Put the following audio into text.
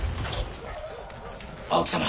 青木様。